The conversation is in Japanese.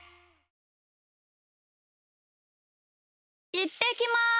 いってきます！